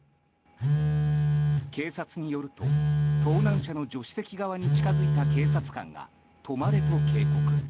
警察によると盗難車の助手席側に近づいた警察官が止まれと警告。